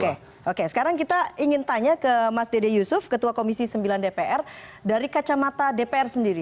oke oke sekarang kita ingin tanya ke mas dede yusuf ketua komisi sembilan dpr dari kacamata dpr sendiri